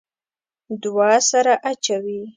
دوه سره اچوي.